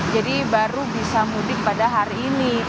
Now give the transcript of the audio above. jadi baru bisa mudik pada hari ini